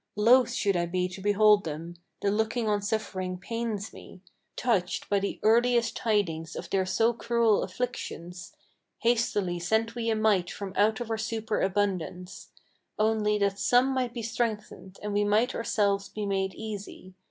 Loath should I be to behold them: the looking on suffering pains me. Touched by the earliest tidings of their so cruel afflictions, Hastily sent we a mite from out of our super abundance, Only that some might be strengthened, and we might ourselves be made easy.